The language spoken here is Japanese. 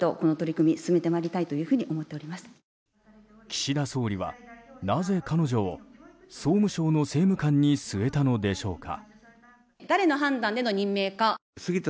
岸田総理は、なぜ彼女を総務省の政務官に据えたのでしょうか。